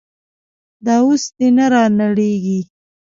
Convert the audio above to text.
دا اوس دې نه رانړېږي.